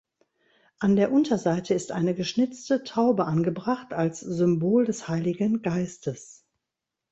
An der Unterseite ist eine geschnitzte Taube angebracht als Symbol des Heiligen Geistes.